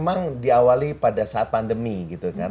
memang diawali pada saat pandemi gitu kan